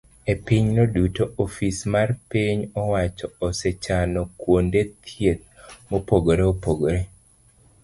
E pinyno duto, ofis mar piny owacho osechano kuonde thieth mopogore opogore